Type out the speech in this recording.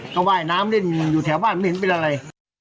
ก็ว่ายน้ำเล่นอยู่แถวบ้านไม่เห็นเป็นอะไร